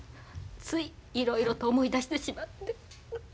ついいろいろと思い出してしまって。